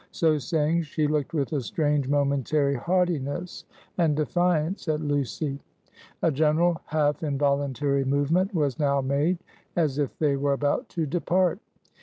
So saying, she looked with a strange momentary haughtiness and defiance at Lucy. A general half involuntary movement was now made, as if they were about to depart.